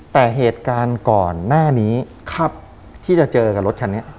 แต่เหตุการณ์ก่อนหน้านี้ที่จะเจอกับรถคันนี้